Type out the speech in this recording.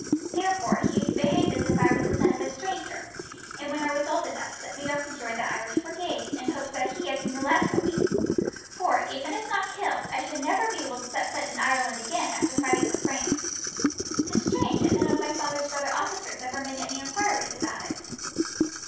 Therefore, he behaved as if I was the son of a stranger, and when I was old enough, sent me off to join the Irish Brigade, in hopes that he had seen the last of me; for, even if not killed, I should never be able to set foot in Ireland again after fighting for France. 'Tis strange that none of my father's brother officers ever made any enquiries about it."